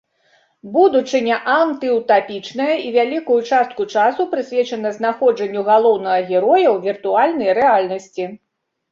Будучыня антыўтапічная і вялікую частку часу прысвечана знаходжанню галоўнага героя ў віртуальнай рэальнасці.